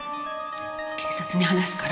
警察に話すから。